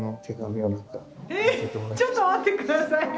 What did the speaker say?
えちょっと待って下さいよ。